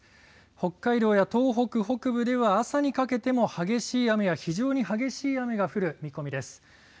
北海道や東北北部では朝にかけても激しい雨や非常に激しい雨が降る見込みです。